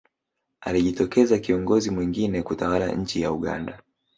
alijitokeza kiongozi mwingine kutawala nchi ya uganda